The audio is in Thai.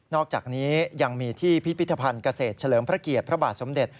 อกจากนี้ยังมีที่พิพิธภัณฑ์เกษตรเฉลิมพระเกียรติพระบาทสมเด็จ